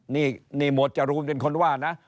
นี่หมวดจรูนเป็นคนว่านะ